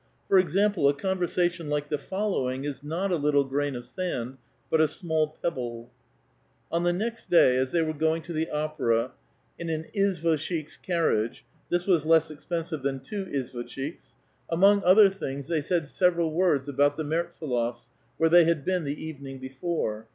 For example, a conversation like the following is not a little grain of sand, but a small pebble. On the next da}', as they were going to the opera in an i£zons1ichik's carriage (this was less expensive than tyioizvosh" t^hiks)^ among other things they said several words about i:^he Mertsdlofs, where they had been the evening before.